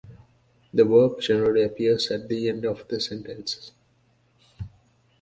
The verb generally appears at the end of the sentence.